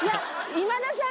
今田さん！